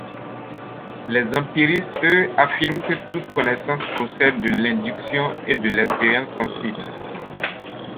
Les empiristes, eux, affirment que toute connaissance procède de l'induction et de l'expérience sensible.